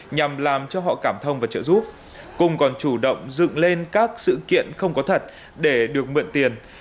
nhằm làm cho họ cảm thông và trợ giúp cùng còn chủ động dựng lên các sự kiện không có thật để được mượn tiền